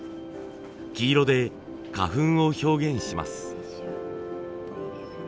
黄色で花粉を表現します。